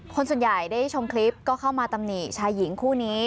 คนส่วนใหญ่ได้ชมคลิปก็เข้ามาตำหนิชายหญิงคู่นี้